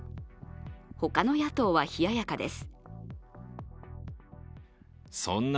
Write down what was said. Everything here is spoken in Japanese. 他の野党は冷ややかです。